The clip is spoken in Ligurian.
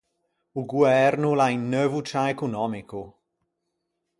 O goerno o l’à un neuvo cian econòmico.